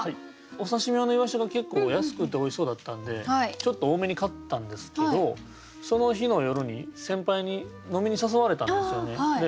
お刺身用の鰯が結構安くておいしそうだったんでちょっと多めに買ったんですけどその日の夜に先輩に飲みに誘われたんですよね。